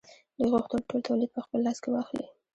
دوی غوښتل ټول تولید په خپل لاس کې واخلي